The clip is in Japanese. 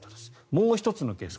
もう１つのケース。